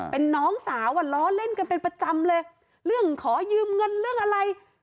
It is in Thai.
เป็นน้องสาวอ่ะล้อเล่นกันเป็นประจำเลยเรื่องขอยืมเงินเรื่องอะไร